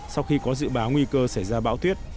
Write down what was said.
sau khi có dự báo nguy cơ xảy ra bão tuyết